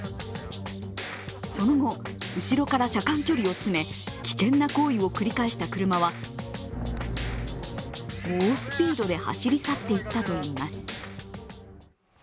その後、後ろから車間距離を詰め危険な行為を繰り返した車は猛スピードで走り去っていったといいます。